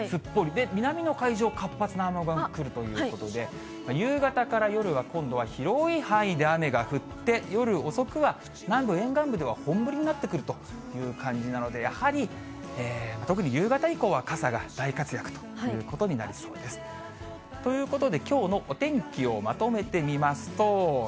で、南の海上、活発な雨雲が来るということで、夕方から夜は、今度は広い範囲で雨が降って、夜遅くは南部沿岸部では本降りになってくるという感じなので、やはり特に夕方以降は傘が大活躍ということになりそうです。ということで、きょうのお天気をまとめてみますと。